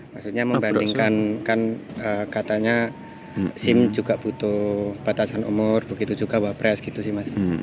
maksudnya membandingkan kan katanya sim juga butuh batasan umur begitu juga wapres gitu sih mas